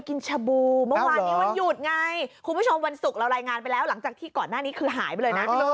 คุณผู้ชมวันศุกร์เรารายงานไปแล้วหลังจากที่ก่อนหน้านี้คือหายไปเลยนะ